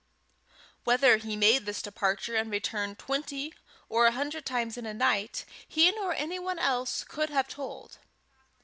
Whether he made this departure and return twenty or a hundred times in a night, he nor any one else could have told.